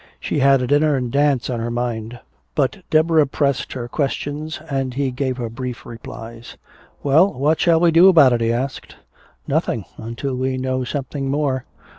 She had a dinner and dance on her mind." But Deborah pressed her questions and he gave her brief replies. "Well, what shall we do about it?" he asked. "Nothing until we know something more."